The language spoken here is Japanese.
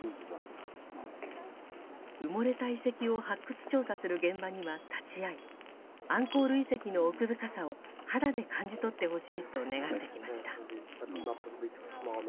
埋もれた遺跡を発掘調査する現場には立ち会いアンコール遺跡の奥深さを肌で感じ取ってほしいと願ってきました。